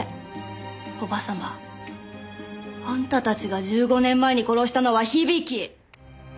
叔母様あんたたちが１５年前に殺したのは響。